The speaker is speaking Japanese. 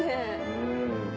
うん。